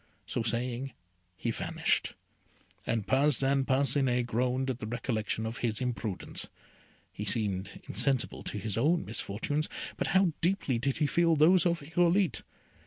So saying, he vanished, and Parcin Parcinet groaned at the recollection of his imprudence: he seemed insensible to his own misfortunes, but how deeply did he feel those of Irolite!